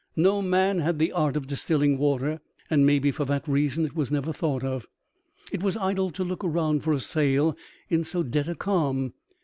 No man had the art of distilling water, and maybe for that reason it was never thought of. It was idle to look around for a sail in so dead a calm.